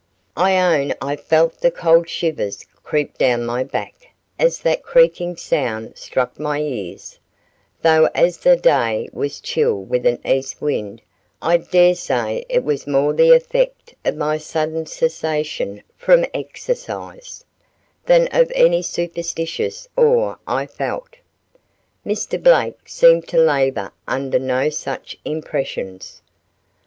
I own I felt the cold shivers creep down my back as that creaking sound struck my ears, though as the day was chill with an east wind I dare say it was more the effect of my sudden cessation from exercise, than of any superstitious awe I felt. Mr. Blake seemed to labor under no such impressions.